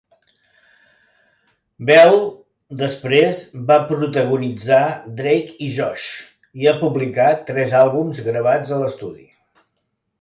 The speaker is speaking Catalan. Bell després va protagonitzar "Drake i Josh" i ha publicat tres àlbums gravats a l'estudi.